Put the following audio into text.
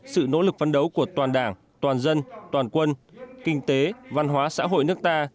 sự nỗ lực phấn đấu của toàn đảng toàn dân toàn quân kinh tế văn hóa xã hội nước ta